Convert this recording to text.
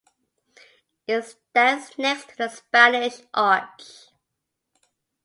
It stands next to the Spanish Arch.